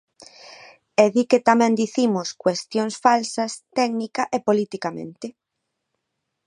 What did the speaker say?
E di que tamén dicimos cuestións falsas técnica e politicamente.